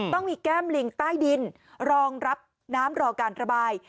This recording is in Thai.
ต้องมีแก้มลิงใต้ดินรองรับน้ำรอการระบาย